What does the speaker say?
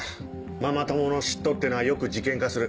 ママ友の嫉妬っていうのはよく事件化する。